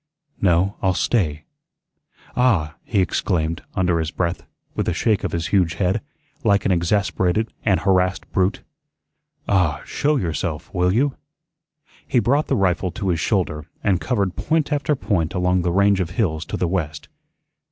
No, I'll stay. Ah," he exclaimed, under his breath, with a shake of his huge head, like an exasperated and harassed brute, "ah, show yourself, will you?" He brought the rifle to his shoulder and covered point after point along the range of hills to the west.